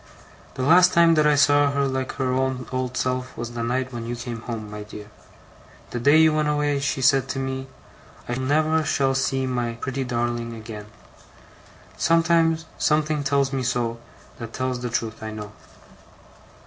'The last time that I saw her like her own old self, was the night when you came home, my dear. The day you went away, she said to me, "I never shall see my pretty darling again. Something tells me so, that tells the truth, I know."